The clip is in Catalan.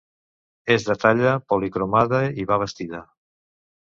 És de talla policromada i va vestida.